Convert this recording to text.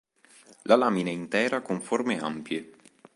La lamina è intera con forme ampie.